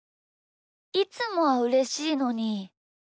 いつもはうれしいのに。